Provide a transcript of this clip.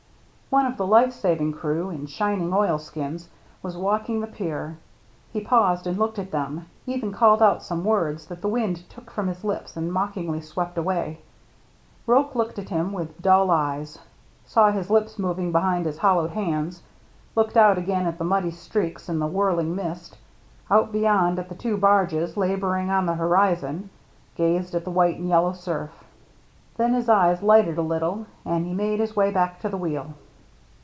One of the life saving crew, in shining oil skins, was walking the pier; he paused and looked at them — even called out some words that the wind took from his lips and mock ingly swept away. Roche looked at him with dull eyes; saw his lips moving behind his hollowed hands; looked out again at the muddy streaks and the whirling mist, out DICK AND HIS MERRT ANNE 27 beyond at the two barges laboring on the horizon, gazed at the white and yellow surf. Then his eye lighted a little, and he made his way back to the wheel.